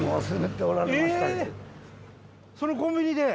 ええっそのコンビニで。